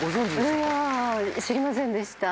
いや知りませんでした。